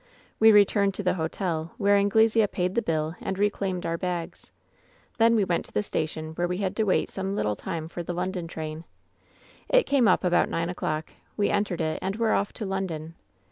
"We returned to the hotel, where Anglesea paid the bill and reclaimed our bags. "Then we went to the station, where we had to wait some little time for the London train. "It came up about nine o'clock. We entered it and were off to London.